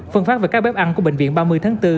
phân phát về các bếp ăn của bệnh viện ba mươi tháng bốn